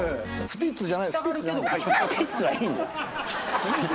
スピッツじゃないんです。